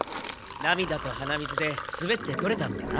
なみだと鼻水ですべって取れたんだな。